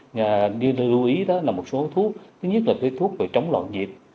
như lưu ý đó là một số thuốc thứ nhất là thuốc về chống loạn nhịp